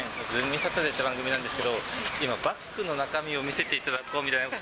サタデーという番組なんですけど、今、バッグの中身を見せていただこうみたいな。